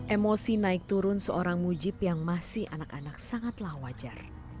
emosi naik turun seorang mujib yang masih anak anak sangatlah wajar